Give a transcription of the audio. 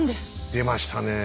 出ましたねえ。